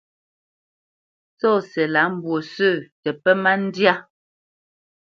Tsɔ́si lâ mbwǒ sǝ̂ paʼ tǝ pǝ má ndyá.